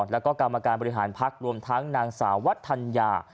แล้วก็กรรมการบริหารพักรวมทั้งนางสาววัฒนยา